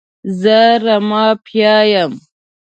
زه رمه پیايم.